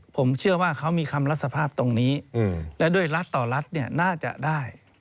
ผมเชื่อว่าเขามีคำรับสภาพตรงนี้และด้วยรัฐต่อรัฐน่าจะได้